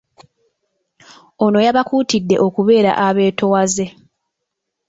Ono yabakuutidde okubeera abeetoowaze